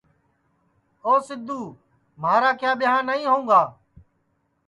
او سیدھو مھارا کیا ٻیاں نائی ہوئں گا